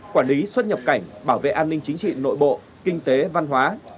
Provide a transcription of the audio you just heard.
quản lý xuất nhập cảnh bảo vệ an ninh chính trị nội bộ kinh tế văn hóa